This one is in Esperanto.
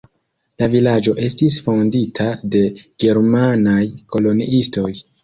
La vilaĝo estis fondita de germanaj koloniistoj.